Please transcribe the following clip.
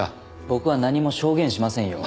僕は何も証言しませんよ。